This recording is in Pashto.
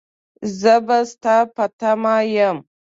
زه به ستا په تمه يم.